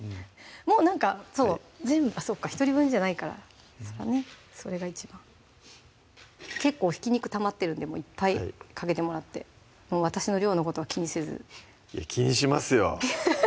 もうなんかそうあっそうか一人分じゃないからそれが一番結構ひき肉たまってるんでいっぱいかけてもらってもう私の量のことは気にせずいや気にしますよ